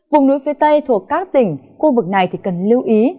vùng núi phía tây thuộc các tỉnh khu vực này cần lưu ý